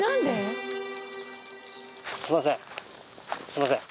すいません。